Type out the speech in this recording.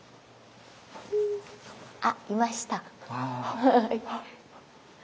あいました。